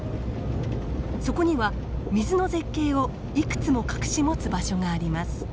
そこには水の絶景をいくつも隠し持つ場所があります。